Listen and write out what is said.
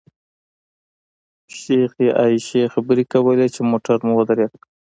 شیخې عایشې خبرې کولې چې موټر مو ودرېد.